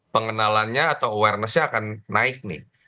pengenalannya atau awarenessnya akan naik nih